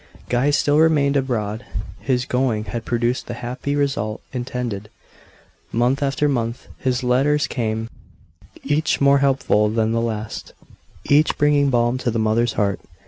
Guy still remained abroad; his going had produced the happy result intended. Month after month his letters came, each more hopeful than the last, each bringing balm to the mother's heart.